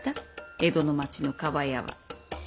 江戸の町の厠は。